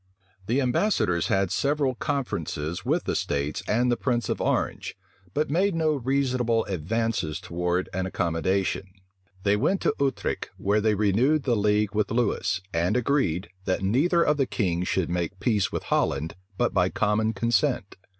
The ambassadors had several conferences with the states and the prince of Orange; but made no reasonable advances towards an accommodation. They went to Utrecht where they renewed the league with Lewis, and agreed, that neither of the kings should make peace with Holland but by common consent.